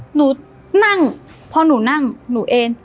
หนูนั่งพอหนูนั่งหนูเอ็น